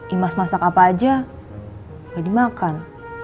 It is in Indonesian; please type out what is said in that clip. imas masak apa aja nggak dimakan